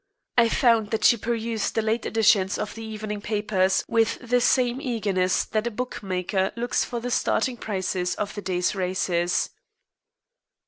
I found that she perused the late editions of the evening papers with the same eagerness that a bookmaker looks for the starting prices of the day's races.